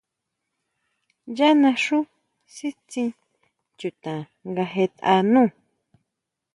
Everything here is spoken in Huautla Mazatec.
Yá naxu sítsin chuta nga jetʼa nú.